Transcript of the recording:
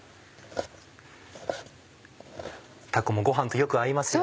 たこもご飯とよく合いますよね。